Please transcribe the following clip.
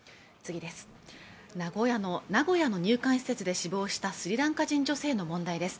名古屋の入管施設で死亡したスリランカ人女性の問題です